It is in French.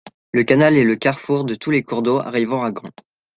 Le canal est le carrefour de tous les cours d’eau arrivant à Gand.